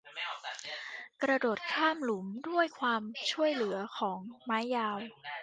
กระโดดข้ามหลุมด้วยความช่วยเหลือของไม้ยาว